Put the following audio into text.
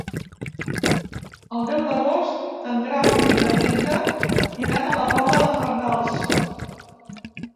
El deu d'agost en Grau i na Neida iran a la Pobla de Farnals.